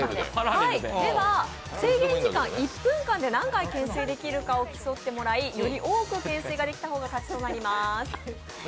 制限時間１分間で何回懸垂できるかを競ってもらい、より多く懸垂ができた方が勝ちとなります。